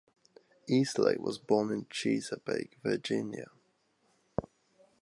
Easley was born in Chesapeake, Virginia.